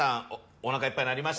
お腹いっぱいになりました？